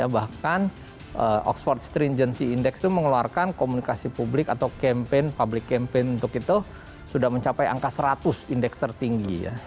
bahkan oxford stringency index itu mengeluarkan komunikasi publik atau campaign public campaign untuk itu sudah mencapai angka seratus indeks tertinggi